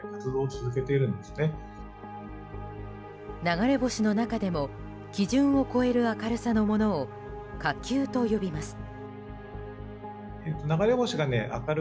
流れ星の中でも基準を超える明るさのものを火球と呼びます。